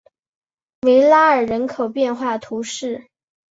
维拉尔人口变化图示